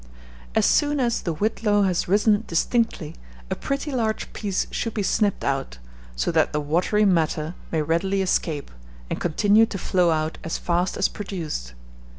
As soon as the whitlow has risen distinctly, a pretty large piece should be snipped out, so that the watery matter may readily escape, and continue to flow out as fast as produced.